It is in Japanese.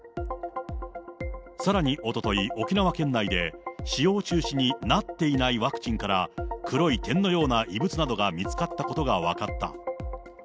さらにおととい、沖縄県内で、使用中止になっていないワクチンから、黒い点のような異物などが見つかったことが分かった。